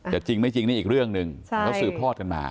จริงไม่จริงนี่อีกเรื่องหนึ่งเขาสืบทอดกันมา